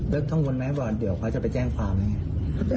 แล้วท่องคุณแม้บอร์ดเดี๋ยวเขาจะไปแจ้งความยังไง